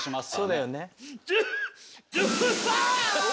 そうだよね。